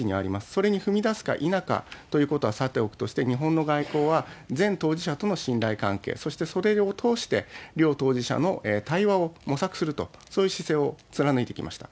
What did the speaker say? それに踏み出すか否かということはさて置くとして、日本の外交は全当事者との信頼関係、そしてそれを通して両当事者の対話を模索すると、そういう姿勢を貫いてきました。